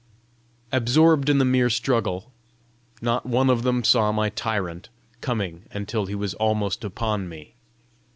Absorbed in the merry struggle, not one of them saw my tyrant coming until he was almost upon me.